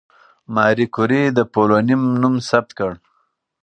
ماري کوري د پولونیم نوم ثبت کړ.